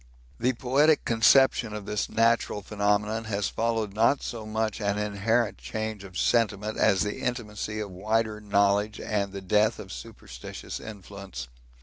The poetic conception of this natural phenomenon has followed not so much an inherent change of sentiment as the intimacy of wider knowledge and the death of superstitious influence.